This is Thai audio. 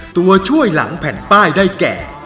ตัวช่วยหลังแผ่นป้ายได้แก่